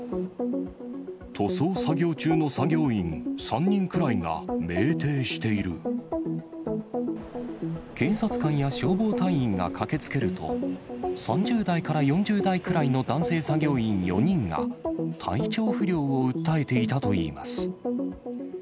塗装作業中の作業員３人くら警察官や消防隊員が駆けつけると、３０代から４０代くらいの男性作業員４人が、体調不良を訴えていたといいます。